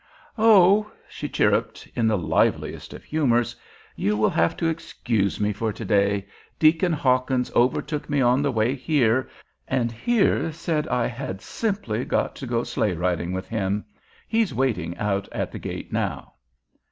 "Oh," she chirruped, in the liveliest of humors, "you will have to excuse me for to day. Deacon Hawkins overtook me on the way here, and here said I had simply got to go sleigh riding with him. He's waiting out at the gate now."